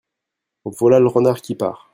Voilà le renard qui part.